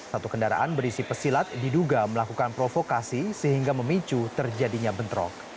satu kendaraan berisi pesilat diduga melakukan provokasi sehingga memicu terjadinya bentrok